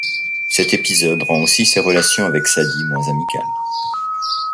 Cet épisode rend aussi ses relations avec Sadie moins amicales.